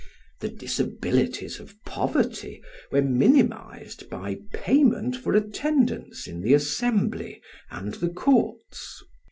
The disabilities of poverty were minimised by payment for attendance in the assembly and the courts.